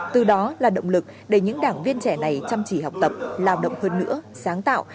từ đó là động lực để những đảng viên trẻ này chăm chỉ học tập lao động hơn nữa sáng tạo